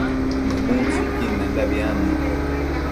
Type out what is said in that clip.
mëmuntsëcquidmendabi adnuc